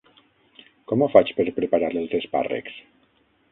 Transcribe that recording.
Com ho faig per preparar els espàrrecs?